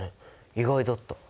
意外だった。